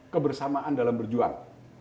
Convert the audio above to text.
kebersamaan dalam berjuang